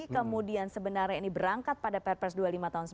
kemudian sebenarnya ini berangkat pada pprs dua puluh lima tahun sembilan puluh lima